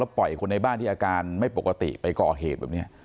คนในบ้านที่อาการไม่ปกติไปก่อเหตุแบบนี้